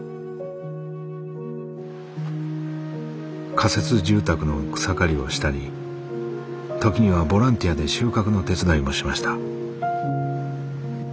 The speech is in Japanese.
仮設住宅の草刈りをしたり時にはボランティアで収穫の手伝いもしました。